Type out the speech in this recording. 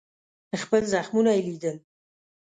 خپل زخمونه یې لیدل.